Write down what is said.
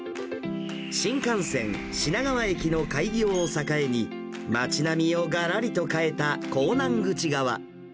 新幹線、品川駅の開業を境に、街並みをがらりと変えた港南口側。